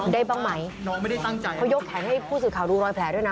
ได้บ้างไหมเขายกแขนให้ผู้สื่อข่าวดูรอยแผลด้วยนะ